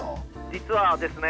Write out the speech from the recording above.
実はですね